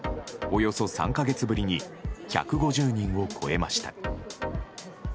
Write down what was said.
およそ３か月ぶりに１５０人を超えました。